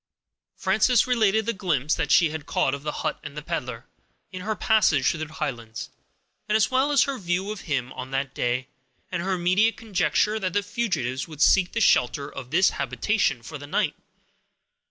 Frances related the glimpse that she had caught of the hut and peddler, in her passage through the Highlands, as well as her view of him on that day, and her immediate conjecture that the fugitives would seek the shelter of this habitation for the night.